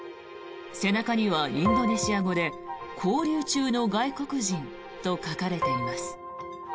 背中にはインドネシア語で勾留中の外国人と書かれています。